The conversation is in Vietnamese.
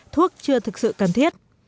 thuốc chưa thực sự cần thiết